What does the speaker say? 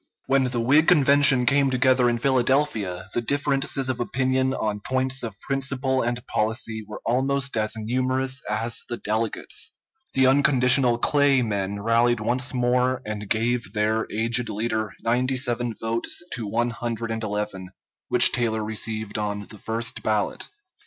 ] When the Whig Convention came together in Philadelphia, the differences of opinion on points of principle and policy were almost as numerous as the delegates. The unconditional Clay men rallied once more and gave their aged leader 97 votes to 111 which Taylor received on the first ballot.